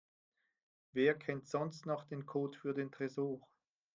Wer kennt sonst noch den Code für den Tresor?